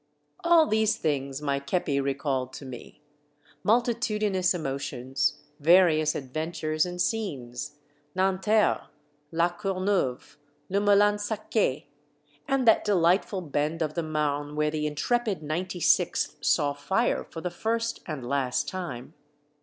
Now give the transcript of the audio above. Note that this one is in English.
All these things my kepi recalled to me — multi tudinous emotions, various adventures and scenes : Nanterre, la Corneuve, le Moulin Saquet, and 158 Monday Tales, that delightful bend of the Marne where the in trepid Ninety sixth saw fire for the first and last time.